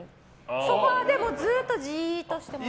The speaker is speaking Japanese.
ソファでずっとじーっとしてます。